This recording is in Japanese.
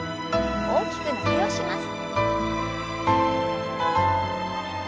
大きく伸びをします。